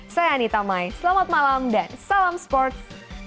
saya anita mai selamat malam dan salam sports